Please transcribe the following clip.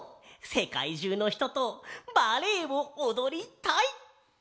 せかいじゅうのひととバレエをおどりたい！